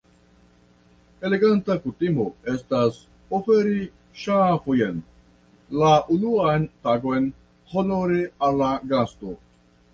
Eleganta kutimo estas oferi ŝafojn la unuan tagon honore al la gasto.